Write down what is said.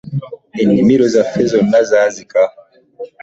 Ennimiro zaffe zonna zaazika.